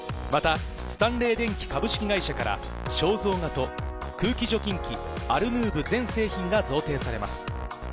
また、スタンレー電気株式会社から肖像画と、空気除菌機アルヌーブ全製品が贈呈されます。